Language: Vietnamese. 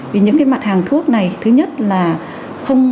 vì những cái mặt hàng thuốc này thứ nhất là không